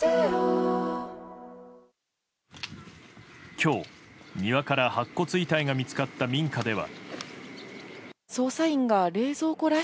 今日、庭から白骨遺体が見つかった民家では。